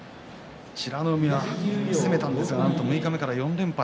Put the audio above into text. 美ノ海は攻めたんですがなんと六日目から４連敗。